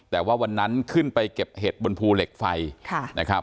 แต่ว่าวันนั้นขึ้นไปเก็บเห็ดบนภูเหล็กไฟนะครับ